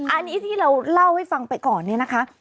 อันนี้ที่เราเล่าให้ฟังไปก่อนเนี่ยนะคะ